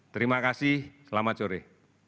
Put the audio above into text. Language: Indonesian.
terima kasih selamat sore